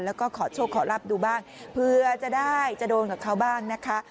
แล้วก็ขอโชคขอรับดูบ้างเผื่อจะได้จะโดนกับเขาบ้างนะคะ